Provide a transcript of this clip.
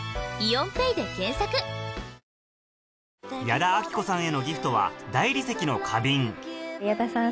矢田亜希子さんへのギフトは大理石の花瓶矢田さん